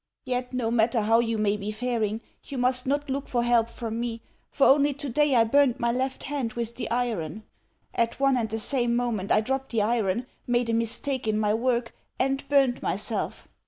Yet, no matter how you may be fairing, you must not look for help from me, for only today I burned my left hand with the iron! At one and the same moment I dropped the iron, made a mistake in my work, and burned myself!